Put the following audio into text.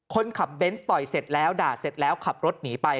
คนขับเบนส์ต่อยเสร็จแล้วด่าเสร็จแล้วขับรถหนีไป